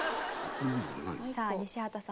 さあ西畑さん